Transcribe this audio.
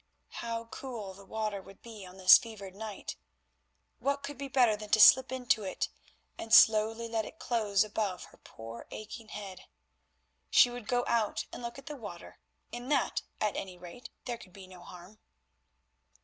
How cool the water would be on this fevered night. What could be better than to slip into it and slowly let it close above her poor aching head? She would go out and look at the water; in that, at any rate, there could be no harm.